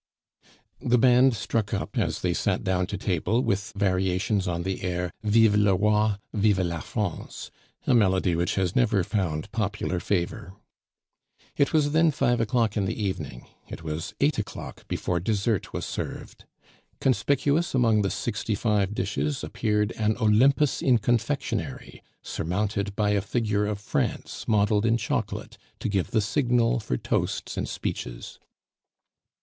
The bank struck up as they sat down to table with variations on the air Vive le roy, vive la France, a melody which has never found popular favor. It was then five o'clock in the evening; it was eight o'clock before dessert was served. Conspicuous among the sixty five dishes appeared an Olympus in confectionery, surmounted by a figure of France modeled in chocolate, to give the signal for toasts and speeches.